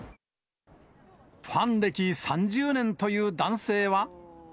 ファン歴３０年という男性は。